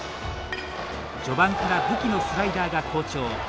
序盤から武器のスライダーが好調。